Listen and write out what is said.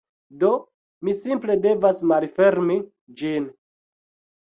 Do, mi simple devas malfermi ĝin